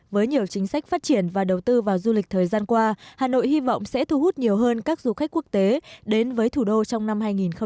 với nhiều chính sách phát triển và đầu tư vào du lịch thời gian qua hà nội hy vọng sẽ thu hút nhiều hơn các du khách quốc tế đến với thủ đô trong năm hai nghìn hai mươi